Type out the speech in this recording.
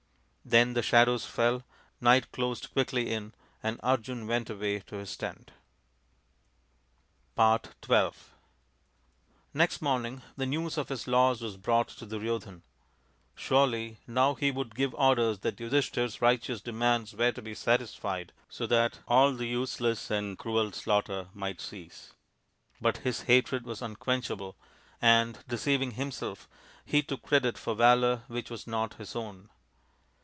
Then the shadows fell, night closed quickly in, and Arjun went away to his tent. XII Next morning the news of his loss was brought to Duryodhan. Surely now he would give orders that Yudhishthir's righteous demands were to be satisfied so that all the useless and cruel slaughter might cease. But his hatred was unquenchable, and, de ceiving himself, he took credit for valour which was not his own.